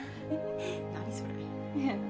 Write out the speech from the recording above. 何それ。